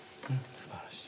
すばらしい。